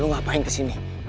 lo ngapain kesini